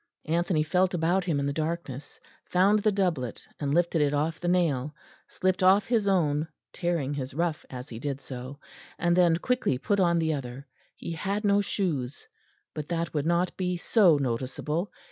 Anthony felt about him in the darkness, found the doublet and lifted it off the nail; slipped off his own, tearing his ruff as he did so; and then quickly put on the other. He had no shoes; but that would not be so noticeable.